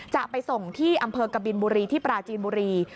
จะไปส่งที่อำเภอกบินบุรีที่ปราจีนบุรี